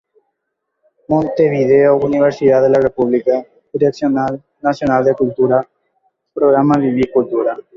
Montevideo, Universidad de la República, Dirección Nacional de Cultura, Programa Viví Cultura.